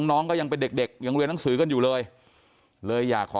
น้องก็ยังเป็นเด็กยังเรียนหนังสือกันอยู่เลยเลยอยากขอ